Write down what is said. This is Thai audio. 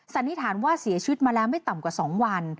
สันนิษฐานว่าเสียชีวิตมาแล้วไม่ต่ำกว่า๒วัน